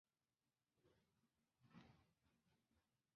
科尔韦西亚人口变化图示